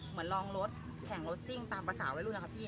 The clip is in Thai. เหมือนลองรถแข่งรถซิ่งตามภาษาไว้รู้นะครับพี่